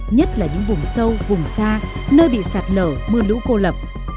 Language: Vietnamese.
nhất là những vùng sâu vùng xa nơi bị sạt lở mưa lũ cô lập